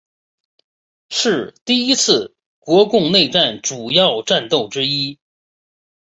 是第一次国共内战主要战斗之一。